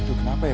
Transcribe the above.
aduh kenapa ya